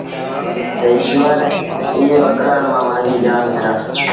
تا ايٚشور ايئي ٻڪرآڙ مآݩ مآݩجيٚ جآن ڇڏآ۔